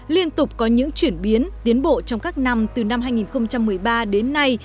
liên tục có những chuyển biến tiến bộ trong các năm từ năm hai nghìn một mươi ba đến nay